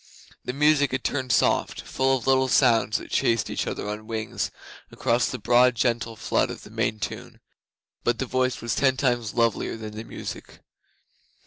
The music had turned soft full of little sounds that chased each other on wings across the broad gentle flood of the main tune. But the voice was ten times lovelier than the music.